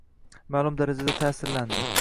ma’lum darajada ta’sirlandi